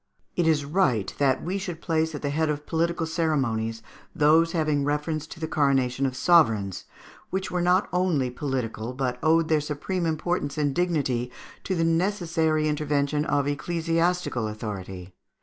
It is right that we should place at the head of political ceremonies those having reference to the coronation of sovereigns, which were not only political, but owed their supreme importance and dignity to the necessary intervention of ecclesiastical authority.